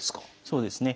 そうですね。